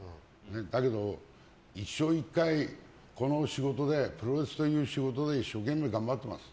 だけど一生に１回プロレスという仕事で一生懸命頑張ってます。